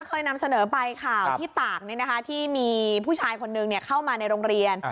เคยนำเสนอไปข่าวที่ตากที่มีผู้ชายคนนึงเข้ามาในโรงเรียน